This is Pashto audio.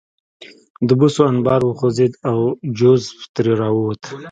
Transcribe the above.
د بوسو انبار وخوځېد او جوزف ترې راووت